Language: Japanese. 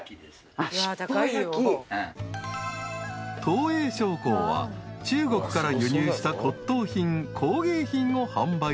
［東栄商行は中国から輸入した骨董品工芸品を販売するお店］